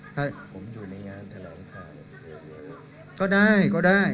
ผมอยู่ในงานธรรมศาสตร์